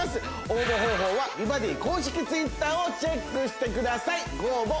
応募方法は美バディ公式Ｔｗｉｔｔｅｒをチェックしてくださいご応募